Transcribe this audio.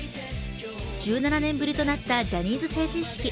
１７年ぶりとなったジャニーズ成人式。